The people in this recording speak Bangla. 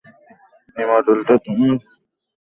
এই মডেলটা কি তোমার কাছে পুনরাবৃত্তি হচ্ছে বলে মনে করো?